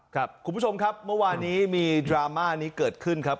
คุณผู้ชมครับเมื่อวานี้มีดราม่านี้เกิดขึ้นครับ